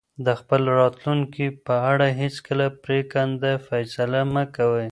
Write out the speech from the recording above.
د خپل راتلونکي په اړه هیڅکله پرېکنده فیصله مه کوئ.